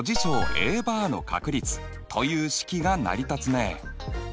Ａバーの確率という式が成り立つね。